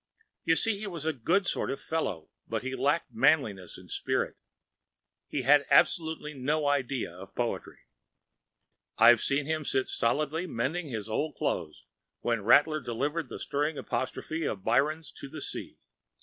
You see he was a good sort of fellow, but he lacked manliness and spirit. He had absolutely no idea of poetry. I’ve seen him sit stolidly by, mending his old clothes, when Rattler delivered that stirring apostrophe of Byron’s to the ocean.